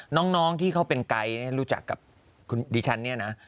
น้องที่เขาเป็นไกด์รู้จักกับคุณดิฉันเนี่ยนะ